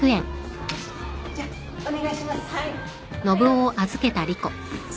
じゃお願いします。